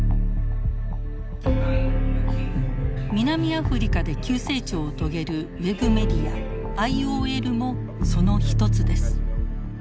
南アフリカで急成長を遂げるウェブメディアＩＯＬもその一つです。